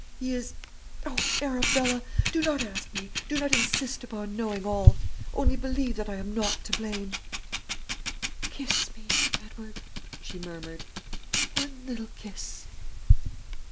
He is oh, Arabella, do not ask me, do not insist upon knowing all, only believe that I am not to blame!' "'Kiss me, Edward,' she murmured. 'One little kiss.'